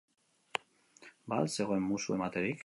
Ba al zegoen musu ematerik?